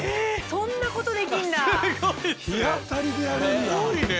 そんなことできるんだ！？